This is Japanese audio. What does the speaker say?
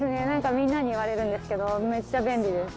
みんなに言われるんですけどめっちゃ便利です。